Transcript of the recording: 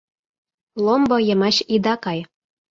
Ломбо йымач ида кай -